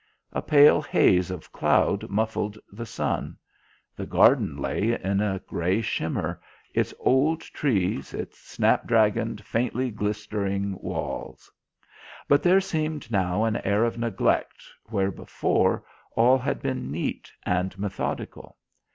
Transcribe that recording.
A pale haze of cloud muffled the sun; the garden lay in a grey shimmer its old trees, its snap dragoned faintly glittering walls. But there seemed now an air of neglect where before all had been neat and methodical.